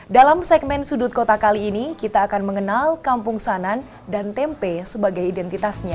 dalam segmen sudut kota kali ini kita akan mengenal kampung sanan dan tempe sebagai identitasnya